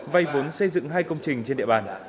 vay vốn xây dựng hai công trình trên địa bàn